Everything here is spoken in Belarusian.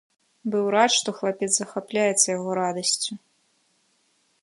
Быў рад, што хлапец захапляецца яго радасцю.